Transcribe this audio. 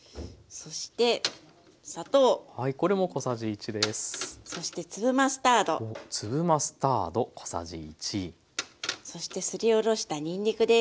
そしてすりおろしたにんにくです。